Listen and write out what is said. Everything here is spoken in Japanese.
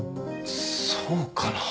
そうかな？